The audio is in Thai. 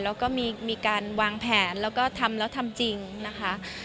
แล้วก็มีการวางแผนแล้วก็ทำแล้วทำจริงนะคะ